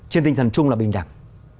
trên tinh thần chung là bình đẳng